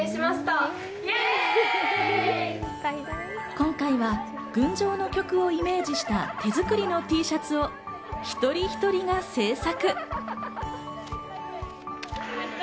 今回は『群青』の曲をイメージした、手づくりのＴシャツを一人一人が制作。